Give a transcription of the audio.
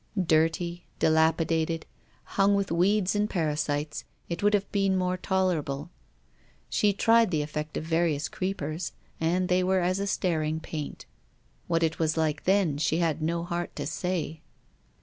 Dirty, dilapidated, hung with weeds and parasites, it would have been more tolerable. She tried the effect of various creepers, and they were as a staring paint. What it was like then, she had no heart to say.